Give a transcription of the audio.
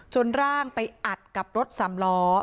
ร่างไปอัดกับรถสามล้อ